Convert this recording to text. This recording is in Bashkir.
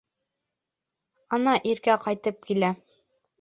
Ана, Иркә ҡайтып килә.